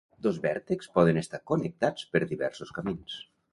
Dos vèrtexs poden estar connectats per diversos camins.